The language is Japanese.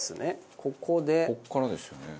ここからですよね。